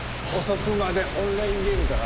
遅くまでオンラインゲームか？